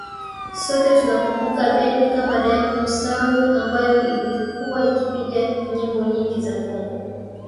Sote tunakumbuka bendi kama Diamond Sound ambayo ilikuwa ikipiga nyimbo nyingi za Congo